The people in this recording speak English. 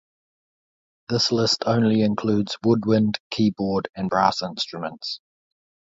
This list only includes woodwind, keyboard, and brass instruments.